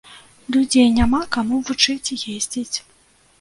Людзей няма каму вучыць ездзіць.